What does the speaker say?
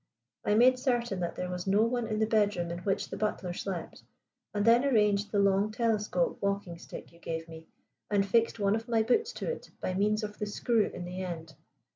I made certain that there was no one in the bedroom in which the butler slept, and then arranged the long telescope walking stick you gave me, and fixed one of my boots to it by means of the screw in the end.